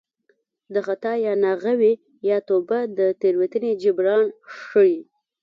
د خطا یا ناغه وي یا توبه د تېروتنې جبران ښيي